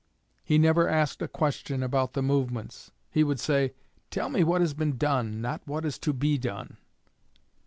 He never asked a question about the movements. He would say, 'Tell me what has been done; not what is to be done.'